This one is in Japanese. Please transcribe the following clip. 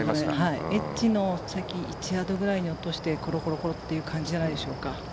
エッジの先、１ヤードくらいに落としてコロコロという感じじゃないでしょうか。